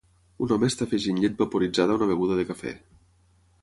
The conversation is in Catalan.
Un home està afegint llet vaporitzada a una beguda de cafè.